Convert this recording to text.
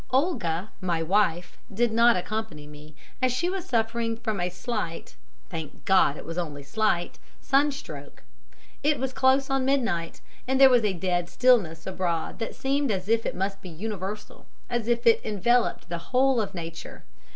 Olga my wife did not accompany me, as she was suffering from a slight thank God, it was only slight sunstroke. It was close on midnight, and there was a dead stillness abroad that seemed as if it must be universal as if it enveloped the whole of nature.